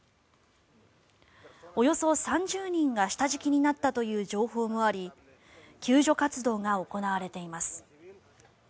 およそ３０人が下敷きになったという情報もあり救助活動が行われています。